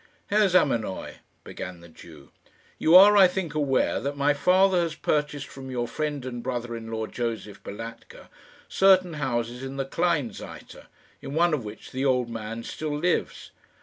"Herr Zamenoy," began the Jew, "you are, I think, aware that my father has purchased from your friend and brother in law, Josef Balatka, certain houses in the Kleinseite, in one of which the old man still lives."